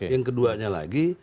yang keduanya lagi